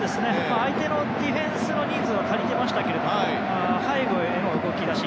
相手のディフェンスの人数は足りていましたが背後への動き出し